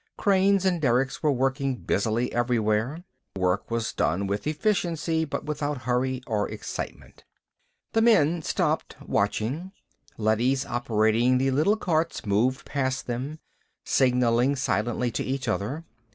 Cranes and derricks were working busily everywhere. The work was done with efficiency, but without hurry or excitement. The men stopped, watching. Leadys operating the little carts moved past them, signaling silently to each other.